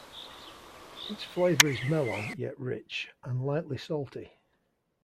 Its flavor is mellow, yet rich, and lightly salty.